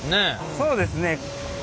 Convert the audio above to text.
そうですね。